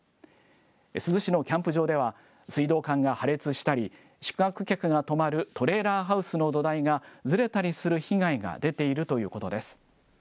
珠洲市のキャンプ場では、水道管が破裂したり、宿泊客が泊まるトレーラーハウスの土台がずれたりする被害が出ているということです。